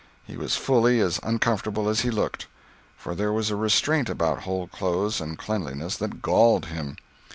He was fully as uncomfortable as he looked; for there was a restraint about whole clothes and cleanliness that galled him.